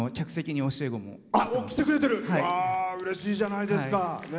うれしいじゃないですか。